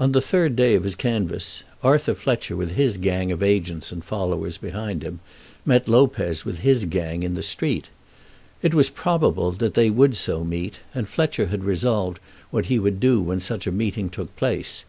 On the third day of his canvass Arthur Fletcher with his gang of agents and followers behind him met Lopez with his gang in the street. It was probable that they would so meet, and Fletcher had resolved what he would do when such a meeting took place.